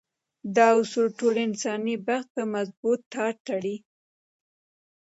دا اصول ټول انساني پښت په مضبوط تار تړي.